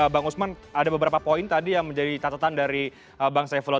bang usman ada beberapa poin tadi yang menjadi catatan dari bang saifullah